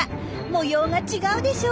模様が違うでしょ。